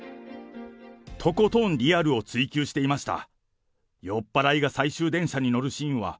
とことんリアルを追求していました。